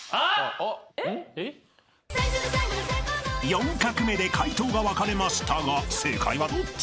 ［４画目で解答が分かれましたが正解はどっち？］